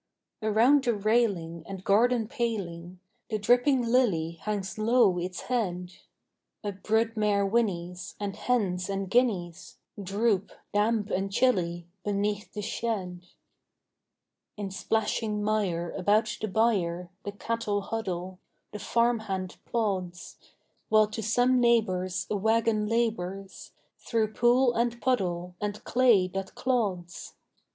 Around the railing and garden paling The dripping lily hangs low its head: A brood mare whinnies; and hens and guineas Droop, damp and chilly, beneath the shed. In splashing mire about the byre The cattle huddle, the farm hand plods; While to some neighbor's a wagon labors Through pool and puddle and clay that clods.